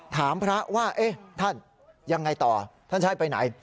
ถามพระว่าท่านยังไงต่อท่านจะให้ไปไหน